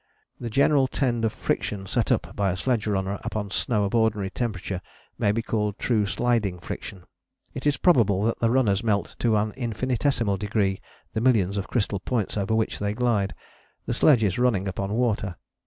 The general tend of friction set up by a sledge runner upon snow of ordinary temperature may be called true sliding friction: it is probable that the runners melt to an infinitesimal degree the millions of crystal points over which they glide: the sledge is running upon water.